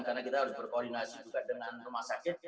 karena kita harus berkoordinasi juga dengan rumah sakit